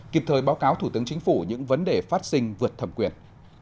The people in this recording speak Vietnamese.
kịp thời báo cáo thủ tướng chính phủ những vấn đề phát sinh vượt thẩm quyền